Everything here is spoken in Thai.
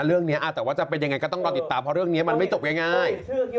เรื่องนี้แต่ว่าจะเป็นยังไงก็ต้องรอติดตามเพราะเรื่องนี้มันไม่จบง่าย